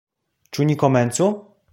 Ĉu ni komencu?